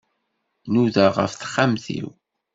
Nudaɣ ɣef texxamt-iw.